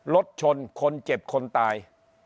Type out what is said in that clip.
รถชนคนเจ็บคนตาย